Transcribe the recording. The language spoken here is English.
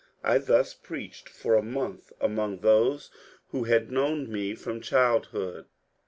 I thus preached for a month among those who had known me from childhood.